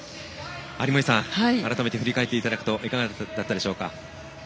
有森さん、改めて振り返っていただくといかがでしたか。